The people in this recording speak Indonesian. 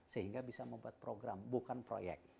sehingga bisa membuat program bukan proyek